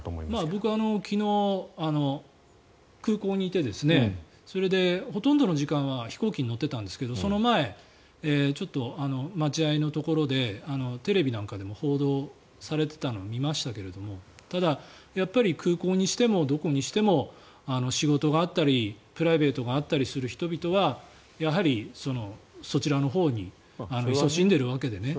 僕、昨日、空港にいてそれでほとんどの時間は飛行機に乗っていたんですがその前、ちょっと待合のところでテレビなんかでも報道されていたのを見ましたけどもただ、空港にしてもどこにしても仕事があったり、プライベートがあったりする人々がやはり、そちらのほうにいそしんでいるわけでね。